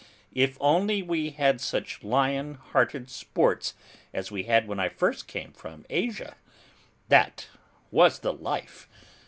If only we had such lion hearted sports as we had when I first came from Asia! That was the life!